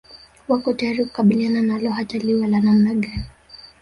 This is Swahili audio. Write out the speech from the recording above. Wako tayari kukabiliana nalo hata liwe la namna gani